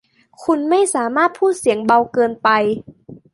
คุณไม่สามารถพูดเสียงเบาเกินไป